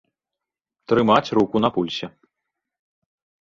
Трымаць руку на пульсе.